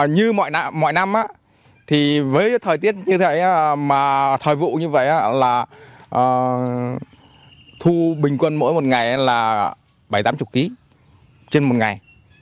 như mọi năm á thì với thời tiết như thế mà thời vụ như vậy là thu bình quân mỗi một ngày là bảy mươi tám mươi kg trên một ngày